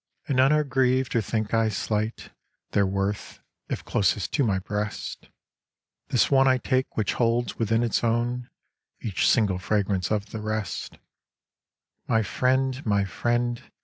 And none are grieved or think I slight Their worth, if closest to my breast, This one I take which holds within its own Each single fragrance of the rest, My friend, my friend!